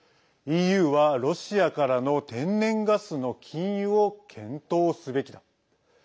ＥＵはロシアからの天然ガスの禁輸を検討すべきだ。